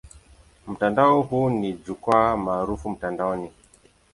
Mtandao huo ni jukwaa maarufu mtandaoni.